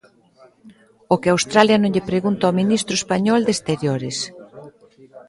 O que Australia non lle pregunta o ministro español de Exteriores.